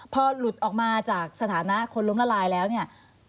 พอหลุดออกมาจากสถานะคนล้มละลายแล้วเนี่ย